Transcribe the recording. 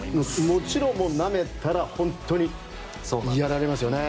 もちろんなめたら本当にやられますよね。